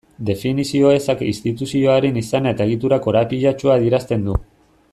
Definizio ezak instituzioaren izana eta egitura korapilatsua adierazten du.